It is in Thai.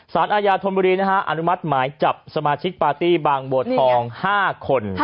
สารอาญาธนบุรีอนุมัติหมายจับสมาชิกปาร์ตี้บางบัวทอง๕คน